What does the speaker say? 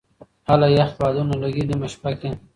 اله یخ بادونه لګې نېمه شپه کي